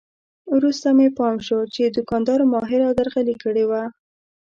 وروسته مې پام شو چې دوکاندار ماهره درغلي کړې وه.